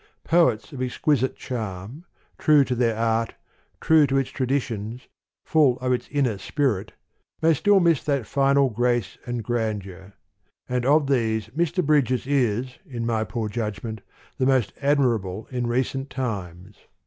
Poets of exquisite charm, true to their art, true to its traditions, full of its inner spirit, may still miss that final grace and gran deur : and of these, Mr. Bridges is, in my poor judgment, the most admirable in re cent times.